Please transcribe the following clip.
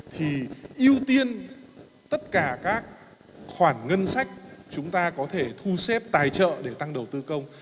thì ưu tiên tất cả các khoản ngân sách chúng ta có thể thu xếp tài trợ để tăng đầu tư công